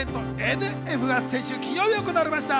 ・ＮＦが先週金曜日に行われました。